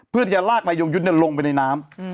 เพื่อที่จะลากนายยงยุทธ์ลงไปในน้ำ